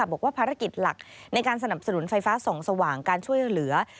บอกว่าภารกิจหลักในการสนับสนุนไฟฟ้าส่องสว่างการช่วยเหลือ